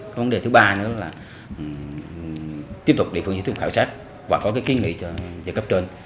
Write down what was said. cái vấn đề thứ ba nữa là tiếp tục địa phương nhận thức khảo sát và có kinh nghị cho cấp trên